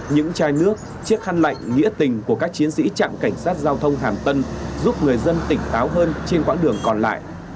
những chai nước chiếc khăn lạnh nghĩa tình của các chiến sĩ trạm cảnh sát giao thông hàm tân giúp người dân tỉnh táo hơn trên quãng đường còn lại